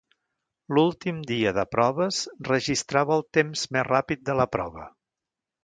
L'últim dia de proves registrava el temps més ràpid de la prova.